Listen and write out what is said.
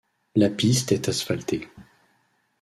La piste est asphaltée.